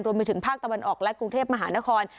รวมไปถึงภาคตะวันออกและกรุงเทพมหานคร